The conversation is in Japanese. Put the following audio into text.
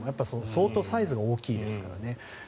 相当サイズが大きいですからね。